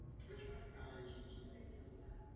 Bude obsahovat deset dílů.